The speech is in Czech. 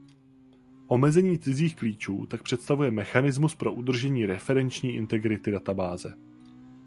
Omezení cizích klíčů tak představuje mechanismus pro udržení referenční integrity databáze.